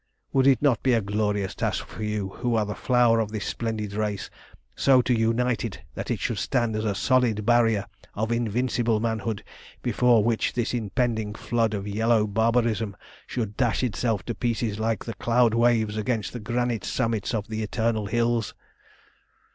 Would it not be a glorious task for you, who are the flower of this splendid race, so to unite it that it should stand as a solid barrier of invincible manhood before which this impending flood of yellow barbarism should dash itself to pieces like the cloud waves against the granite summits of the eternal hills?"